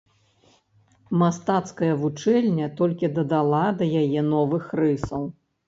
Мастацкая вучэльня толькі дадала да яе новых рысаў.